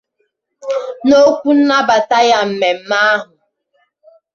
N'okwu nnabata ya na mmemme ahụ